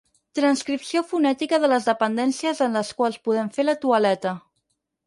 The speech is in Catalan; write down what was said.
Transcripció fonètica de les dependències en les quals podem fer la toaleta.